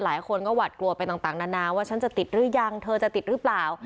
หลายคนก็หวัดกลัวไปต่างนานาว่าฉันจะติดหรือยังเธอจะติดหรือเปล่า